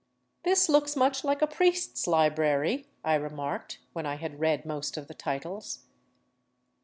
" This looks much like a priest's library," I remarked, when I had read most of the titles.